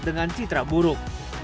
dengan citra buruk